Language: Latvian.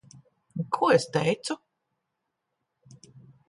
Ko es teicu?